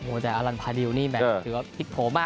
โอ้แต่อารันพาดิวนี่แม่งคือว่าผิดโผมาก